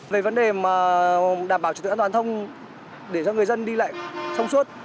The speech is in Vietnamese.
về vấn đề mà đảm bảo trực tượng an toàn thông để cho người dân đi lại thông suốt